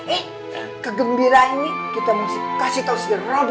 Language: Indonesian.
eh kegembiraan ini kita mesti kasih tau si robby